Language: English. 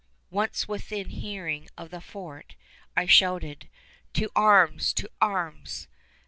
Once within hearing of the fort, I shouted, "To arms! To arms!"